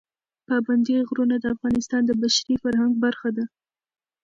پابندی غرونه د افغانستان د بشري فرهنګ برخه ده.